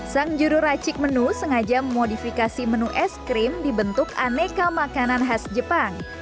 sang jururacik menu sengaja memodifikasi menu es krim dibentuk aneka makanan khas jepang